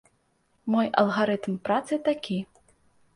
Мой алгарытм працы такі.